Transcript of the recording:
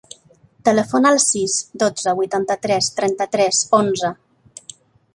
Telefona al sis, dotze, vuitanta-tres, trenta-tres, onze.